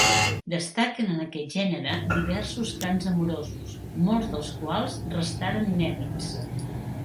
Destaquen en aquest gènere diversos cants amorosos, molts dels quals restaren inèdits.